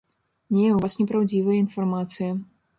Не, у вас непраўдзівая інфармацыя.